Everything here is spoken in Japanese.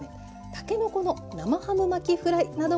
たけのこの生ハム巻きフライなども載っています。